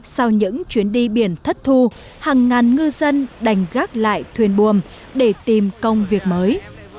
sau những chuyến đi biển thất thu hàng ngàn ngư dân đành gác lại thuyền buồm để tìm công việc mới